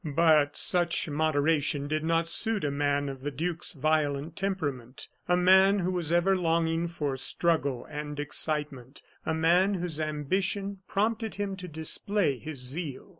But such moderation did not suit a man of the duke's violent temperament, a man who was ever longing for struggle and excitement, a man whose ambition prompted him to display his zeal.